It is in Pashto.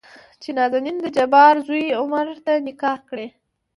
چې نازنين دجبار زوى عمر ته نکاح کړي.